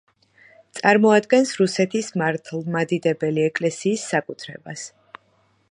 წარმოადგენს რუსეთის მართლმადიდებელი ეკლესიის საკუთრებას.